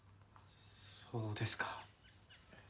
そうですか。